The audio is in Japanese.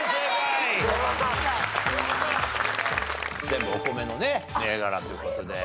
全部お米のね銘柄という事で。